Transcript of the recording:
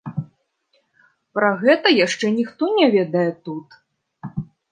Пра гэта яшчэ ніхто не ведае тут.